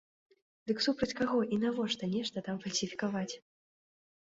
Дык супраць каго і навошта нешта там фальсіфікаваць?